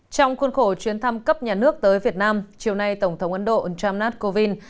trong khuôn khổ chuyến thăm cấp nhà nước tới việt nam chiều nay tổng thống ấn độ jamnath kovind